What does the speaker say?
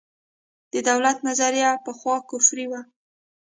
د دولت نظریه پخوا کفري وه.